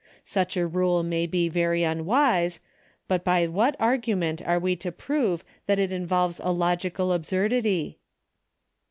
Such a rule may be very unwise, but by what argument are we to prove that it involves a logical absurdity